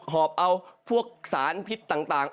อบเอาพวกสารพิษต่าง